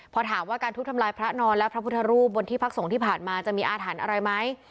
พอถามว่าการทุบทำลายพระนอนและพระพุทธรูปบนที่พักสงฆ์ที่ผ่านมาจะมีอาถรรพ์อะไรไหม